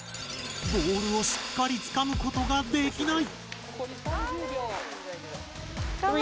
ボールをしっかりつかむことができない。